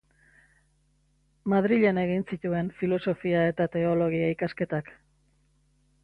Madrilen egin zituen filosofia eta teologia ikasketak.